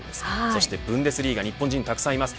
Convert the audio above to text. そしてブンデスリーガは日本人がたくさんいます。